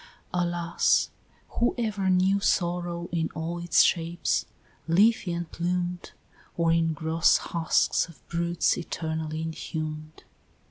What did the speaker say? Alas! who ever knew Sorrow in all its shapes, leafy and plumed, Or in gross husks of brutes eternally inhumed?